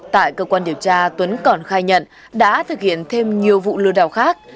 tại cơ quan điều tra tuấn còn khai nhận đã thực hiện thêm nhiều vụ lừa đảo khác